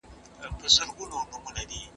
د کار ساعت کمول د ضایعاتو کمولو لپاره ګټور دی.